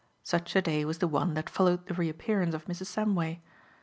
Such a day was the one that followed the re appearance of Mrs. Samway.